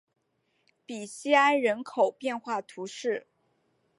比西埃人口变化图示